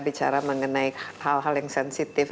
bicara mengenai hal hal yang sensitif